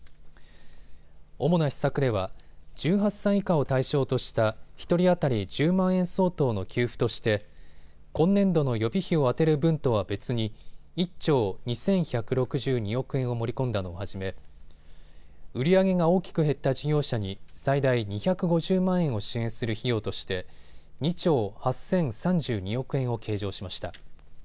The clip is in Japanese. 主な施策では１８歳以下を対象とした１人当たり１０万円相当の給付として今年度の予備費を充てる分とは別に１兆２１６２億円を盛り込んだのをはじめ売り上げが大きく減った事業者に最大２５０万円を支援する費用として２兆８０３２億円を計上しました。